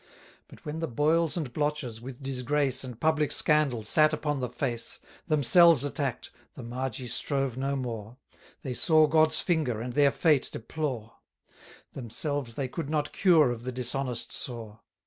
But when the boils and blotches, with disgrace 543 And public scandal, sat upon the face, Themselves attack'd, the Magi strove no more, They saw God's finger, and their fate deplore; Themselves they could not cure of the dishonest sore.